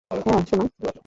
হ্যাঁ, সোনা?